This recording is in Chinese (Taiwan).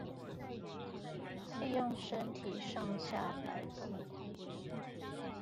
利用身體上下矲動